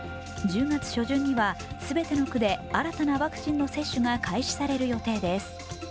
１０月初旬には全ての区で新たなワクチンの接種が開始される予定です。